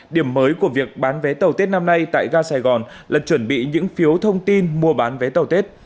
điểm mới của việc bán vé tàu tết năm nay tại ga sài gòn là chuẩn bị những phiếu thông tin mua bán vé tàu tết